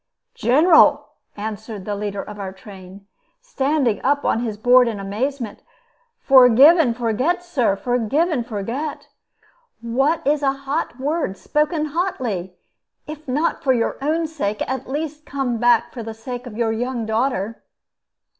"General!" answered the leader of our train, standing up on his board in amazement. "Forgive and forget, Sir; forgive and forget. What is a hot word spoken hotly? If not for your own sake, at least come back for the sake of your young daughter."